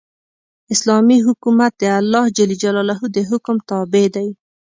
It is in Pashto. اسلامي حکومت د الله د حکم تابع دی.